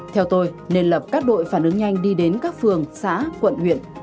theo tôi nên lập các đội phản ứng nhanh đi đến các phường xã quận huyện